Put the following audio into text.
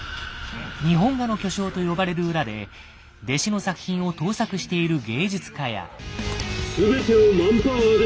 日本画の巨匠と呼ばれる裏で弟子の作品を盗作している芸術家や。